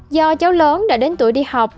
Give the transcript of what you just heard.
do cháu lớn đã đến tuổi đi học